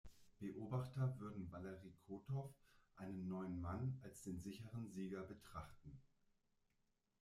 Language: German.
Beobachter würden Waleri Kotow, einen neuen Mann, als den sicheren Sieger betrachten.